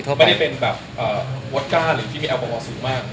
ไม่ได้เป็นแบบโว็ทก้าหรือพิมีแอลปะวะสุมาก